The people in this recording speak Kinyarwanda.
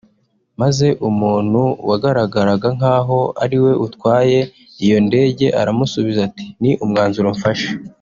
maze umuntu wagaragaraga nk’aho ari we utwaye iyo ndege aramusubiza ati ” ni umwanzuro mfashe